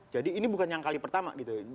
jadi ini bukan yang kali pertama gitu